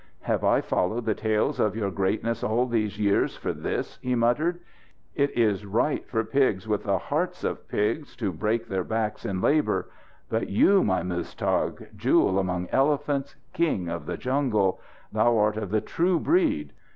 "Have I followed the tales of your greatness all these years for this?" he muttered. "It is right for pigs with the hearts of pigs to break their backs in labour. But you, my Muztagh! Jewel among elephants! King of the jungle! Thou art of the true breed!